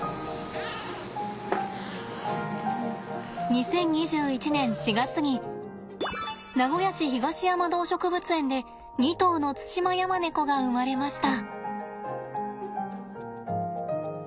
２０２１年４月に名古屋市東山動植物園で２頭のツシマヤマネコが生まれました。